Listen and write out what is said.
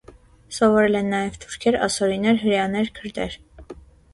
Սովորել են նաև թուրքեր, ասորիներ, հրեաներ, քրդեր։